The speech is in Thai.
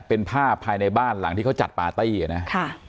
เป็นภาพภายในบ้านหลังที่เขาจัดปาร์ตี้นะ